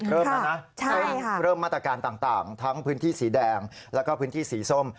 เริ่มแล้วนะเริ่มมาตรการต่างทั้งพื้นที่สีแดงแล้วก็พื้นที่สีส้ม